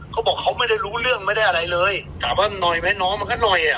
เขาบอกเขาไม่ได้รู้เรื่องไม่ได้อะไรเลยถามว่าหน่อยไหมน้องมันก็หน่อยอ่ะ